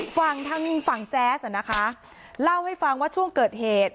ฝั่งทางฝั่งแจ๊สนะคะเล่าให้ฟังว่าช่วงเกิดเหตุ